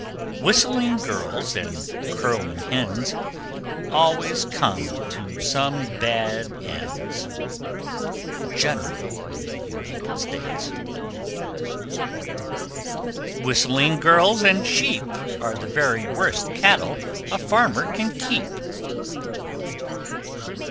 _ 1335. Whistling girls and crowing hens Always come to some bad ends. General in the United States. 1336. Whistling girls and sheep Are the very worst cattle a farmer can keep.